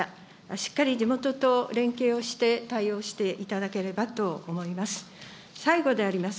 しっかり地元と連携をして対応していただければと思います。